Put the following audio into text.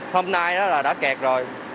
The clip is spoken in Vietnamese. hôm nay đó là đã kẹt rồi